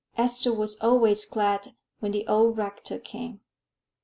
Esther was always glad when the old rector came.